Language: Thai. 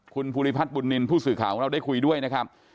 คุณภูริพัฒน์บุญนินทร์ผู้สื่อข่าวของเราได้คุยด้วยนะครับ